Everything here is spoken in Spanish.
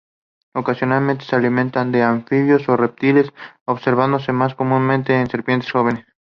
Ocasionalmente se alimenta de anfibios o reptiles, observándose más comúnmente en serpientes jóvenes.